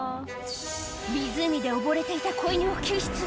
湖で溺れていた子犬を救出。